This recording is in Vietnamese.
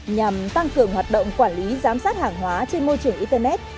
nhằm tăng cường hoạt động quản lý giám sát hàng hóa trên môi trường internet